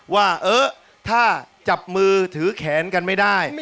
ว่าเออถ้าจับมือถือแขนกันไม่ได้